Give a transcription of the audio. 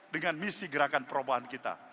dengan misi gerakan perubahan kita